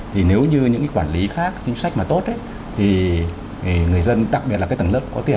thì nếu như những quản lý khác chính sách mà tốt thì người dân đặc biệt là cái tầng lớp có tiền